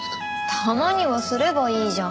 たまにはすればいいじゃん。